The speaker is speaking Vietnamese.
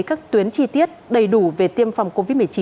các tuyến chi tiết đầy đủ về tiêm phòng covid một mươi chín